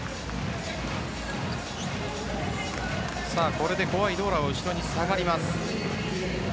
これで怖いドーラが後ろに下がります。